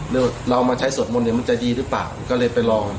เราเอามาใช้สวดมนตร์มันจะดีหรือเปล่า